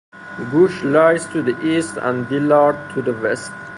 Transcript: Gooch lies to the east and Dillard to the west.